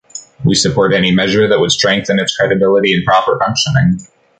We support any measure that would strengthen its credibility and proper functioning.